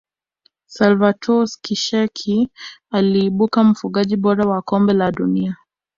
salvatore schillaci aliibuka mfungaji bora wa kombe la dunia